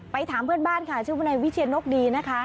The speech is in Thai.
ถามเพื่อนบ้านค่ะชื่อวนายวิเชียนนกดีนะคะ